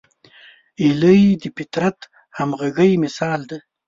هیلۍ د فطري همغږۍ مثال ده